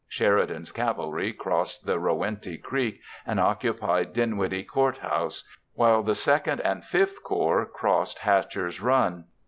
Sheridan's cavalry crossed the Rowanty Creek and occupied Dinwiddie Court House, while the II and V Corps crossed Hatcher's Run.